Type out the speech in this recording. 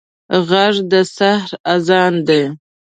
غږ د سحر اذان دی